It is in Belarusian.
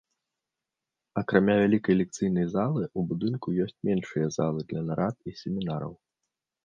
Акрамя вялікай лекцыйнай залы, у будынку ёсць меншыя залы для нарад і семінараў.